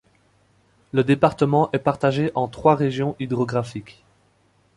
Le département est partagé en trois régions hydrographiques.